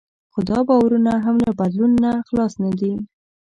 خو دا باورونه هم له بدلون نه خلاص نه دي.